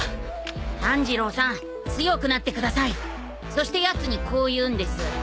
そしてやつにこう言うんです。